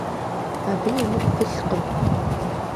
Абы емыкӀу пылъкъым.